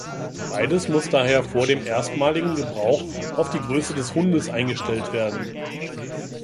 Beides muss daher vor dem erstmaligen Gebrauch auf die Größe des Hundes eingestellt werden.